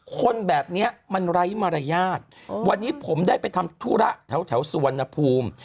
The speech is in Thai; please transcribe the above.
คนแบบนี้มันไร้มารยาทวันนี้ผมได้ไปทำธุระแถวสุวรรณภูมิ